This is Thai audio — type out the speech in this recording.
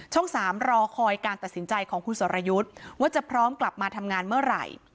๓รอคอยการตัดสินใจของคุณสรยุทธ์ว่าจะพร้อมกลับมาทำงานเมื่อไหร่